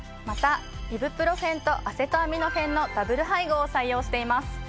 またイブプロフェンとアセトアミノフェンのダブル配合を採用しています！